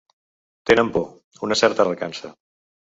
Tenen por, una certa recança.